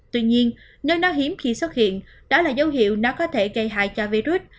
tuy nhiên nơi nó hiếm khi xuất hiện đó là dấu hiệu nó có thể gây hại cho virus